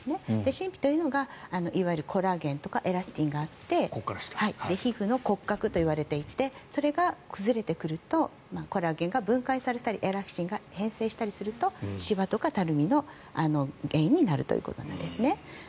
真皮というのがいわゆるコラーゲンとかエラスチンがあって皮膚の骨格といわれていてそれが崩れてくるとコラーゲンが分解されたりエラスチンが変性したりするとシワとかたるみの原因になるということなんですね。